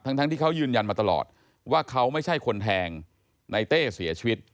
ทั้งที่เขายืนยันมาตลอดว่าเขาไม่ใช่คนแทงในเต้เสียชีวิต